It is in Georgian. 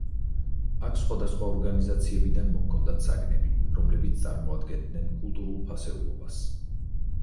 აქ სხვადასხვა ორგანიზაციებიდან მოჰქონდათ საგნები, რომლებიც წარმოადგენდნენ კულტურულ ფასეულობას.